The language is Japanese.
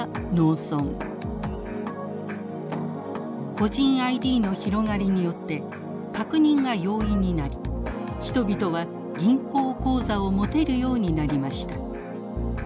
個人ＩＤの広がりによって確認が容易になり人々は銀行口座を持てるようになりました。